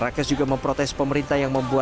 rakesh juga memprotes pemerintah yang membunuhnya